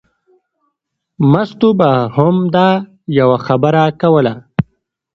مستو به همدا یوه خبره کوله.